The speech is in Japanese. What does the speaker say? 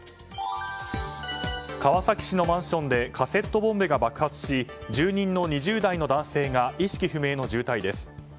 川崎市のマンションでカセットボンベが爆発し住人の２０代の男性が意識不明の重体です。